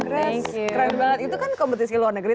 kerench keren banget itu kan kompetisi luar negeri